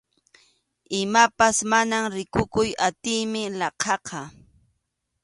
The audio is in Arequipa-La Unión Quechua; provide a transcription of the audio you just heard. Imapas mana rikukuy atiymi laqhaqa.